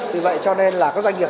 vì vậy cho nên là các doanh nghiệp